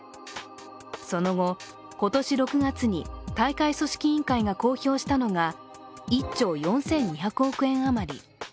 その後、今年６月に大会組織委員会が公表したのが、１兆４２００億円余り。